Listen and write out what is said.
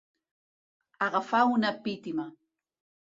Agafar una pítima.